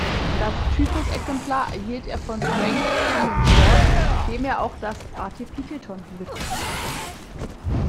Das Typusexemplar erhielt er von Frank Kingdon-Ward, dem er auch das Artepitheton widmete.